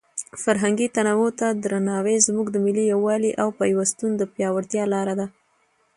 فرهنګي تنوع ته درناوی زموږ د ملي یووالي او پیوستون د پیاوړتیا لاره ده.